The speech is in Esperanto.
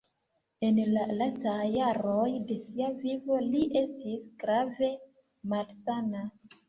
En la lastaj jaroj de sia vivo li estis grave malsana.